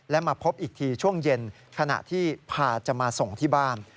และมาพบอีกทีช่วงเย็นขณะที่พาจะมาส่งที่บ้าน